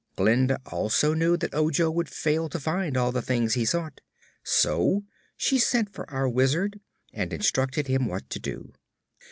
Glinda also knew that Ojo would fail to find all the things he sought, so she sent for our Wizard and instructed him what to do.